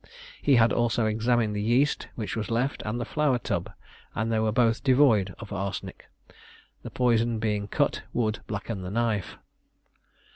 He had also examined the yeast which was left and the flour tub, and they were both devoid of arsenic. The poison being cut would blacken the knife.